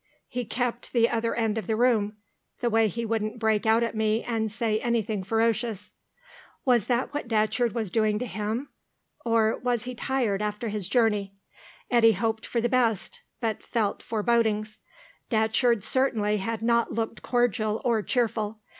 "He kept the other end of the room, the way he wouldn't break out at me and say anything ferocious." Was that what Datcherd was doing to him, or was he tired after his journey? Eddy hoped for the best, but felt forebodings. Datcherd certainly had not looked cordial or cheerful.